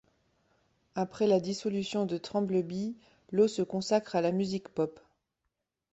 Après la dissolution de Tremblebee, Lo se consacre à la musique pop.